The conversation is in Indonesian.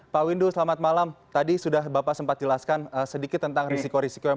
pak windu selamat malam tadi sudah bapak sempat jelaskan sedikit tentang risiko risiko yang